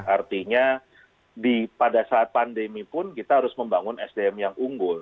artinya pada saat pandemi pun kita harus membangun sdm yang unggul